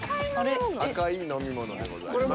「赤い飲み物」でございます。